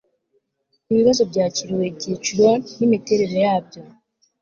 ibibazo byakiriwe ibyiciro n imiterere yabyo